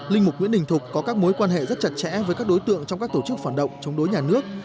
linh mục nguyễn đình thục có các mối quan hệ rất chặt chẽ với các đối tượng trong các tổ chức phản động chống đối nhà nước